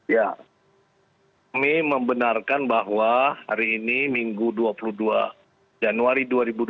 ya kami membenarkan bahwa hari ini minggu dua puluh dua januari dua ribu dua puluh